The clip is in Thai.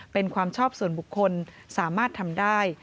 เป็นความชอบส่วนบุคคลสามารถทำได้